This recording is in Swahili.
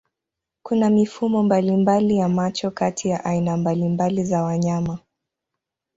Kuna mifumo mbalimbali ya macho kati ya aina mbalimbali za wanyama.